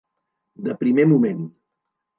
De primer moment.